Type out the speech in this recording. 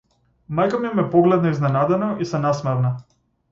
Мајка ми ме погледна изненадено и се насмевна.